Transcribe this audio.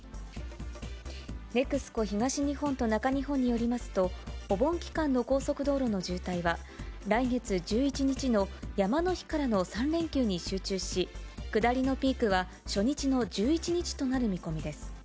ＮＥＸＣＯ東日本と中日本によりますと、お盆期間の高速道路の渋滞は、来月１１日の山の日からの３連休に集中し、下りのピークは初日の１１日となる見込みです。